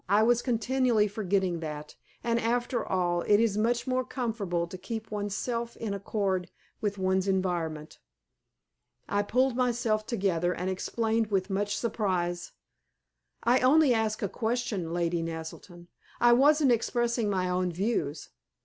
I was continually forgetting that. And, after all, it is much more comfortable to keep one's self in accord with one's environment. I pulled myself together, and explained with much surprise "I only asked a question, Lady Naselton. I wasn't expressing my own views.